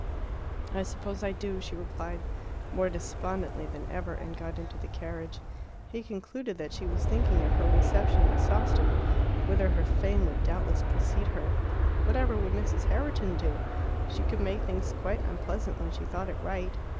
"I suppose I do," she replied, more despondently than ever, and got into the carriage. He concluded that she was thinking of her reception at Sawston, whither her fame would doubtless precede her. Whatever would Mrs. Herriton do? She could make things quite unpleasant when she thought it right.